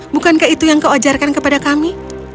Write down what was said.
bukankah itu yang kau ajarkan kepada kami